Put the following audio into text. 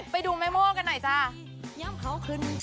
ไปดูแม่โม่กันหน่อยจ้า